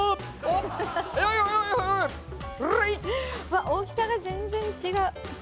わっ大きさが全然違う。